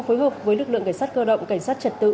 phối hợp với lực lượng cảnh sát cơ động cảnh sát trật tự